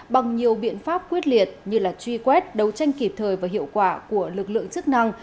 bằng nhiều biện pháp quyết liệt như truy quét đấu tranh kịp thời và hiệu quả của lực lượng chức năng